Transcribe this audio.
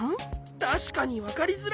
たしかにわかりづらい。